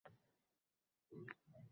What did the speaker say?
Bu ayniqsa, kashandalarga juda foydali.